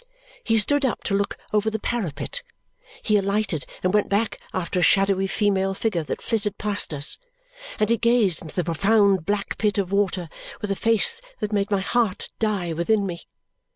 He stood up to look over the parapet, he alighted and went back after a shadowy female figure that flitted past us, and he gazed into the profound black pit of water with a face that made my heart die within me.